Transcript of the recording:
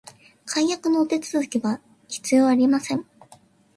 解約のお手続きは必要ありません